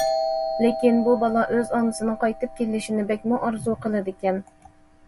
لېكىن بۇ بالا ئۆز ئانىسىنىڭ قايتىپ كېلىشىنى بەكمۇ ئارزۇ قىلىدىكەن.